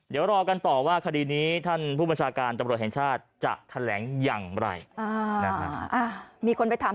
จริงฐตั้มยังช่วยไหม